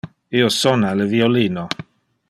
Io sona le violin.